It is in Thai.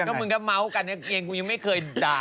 ก็มึงก็เม้ากันกันเย็นกูยังไม่เคยด่า